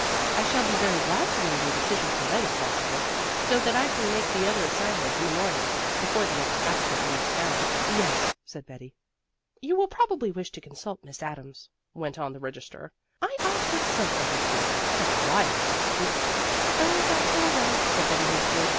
"I shall be very glad to know your decision to night if possible, so that I can make the other assignment in the morning, before the next applicant leaves town." "Yes," said Betty. "You will probably wish to consult Miss Adams," went on the registrar. "I ought to have sent for her too I don't know why I was so stupid." "Oh, that's all right," said Betty hastily.